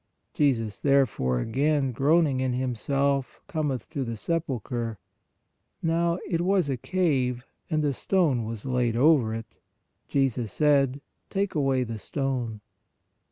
Jesus therefore again groaning in Himself, cometh to the sepulchre. Now it was a cave, and a stone was laid over it. Jesus said: Take away the stone.